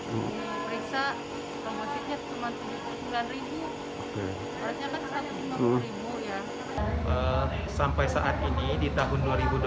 langsung ke puskesmas diperiksa trombositnya cuma tujuh puluh sembilan ribu rasanya kan satu ratus lima puluh ribu ya